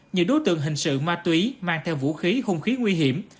như đối tượng hình sự ma túy mang theo vũ khí không khí nguy hiểm